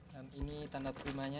dan ini tanda primanya